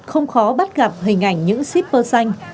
không khó bắt gặp hình ảnh những shipper xanh